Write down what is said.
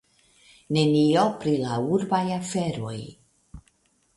Nenio pri la urbaj aferoj.